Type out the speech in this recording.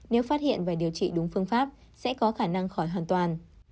nếu phát hiện và điều trị đúng phương pháp sẽ có khả năng khỏi hoàn toàn